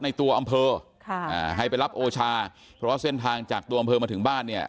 ในตัวอำเภอค่ะให้ไปรับโอชาเพราะเส้นทางจากตัวอำเภอมาถึงบ้านเนี่ย